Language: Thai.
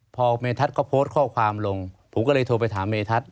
พอเมทัศน์ก็โพสต์ข้อความลงผมก็เลยโทรไปถามเมทัศน